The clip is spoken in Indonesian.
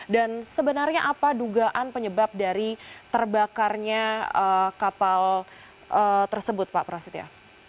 dan sebenarnya apa dugaan penyebab dari terbakarnya kapal tersebut pak prasetya